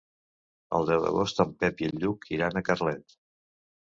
El deu d'agost en Pep i en Lluc iran a Carlet.